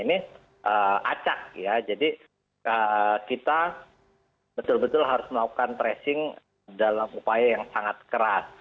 ini acak ya jadi kita betul betul harus melakukan tracing dalam upaya yang sangat keras